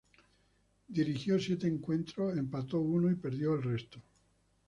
Dirigió siete encuentros, empató uno y perdió el resto.